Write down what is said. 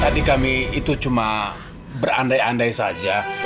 tadi kami itu cuma berandai andai saja